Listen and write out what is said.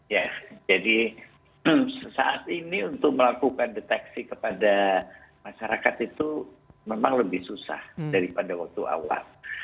ya jadi saat ini untuk melakukan deteksi kepada masyarakat itu memang lebih susah daripada waktu awal